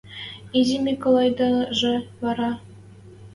– Изи Миколайдажы вара?